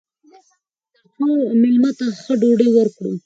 تر څو میلمه ته ښه ډوډۍ ورکړو.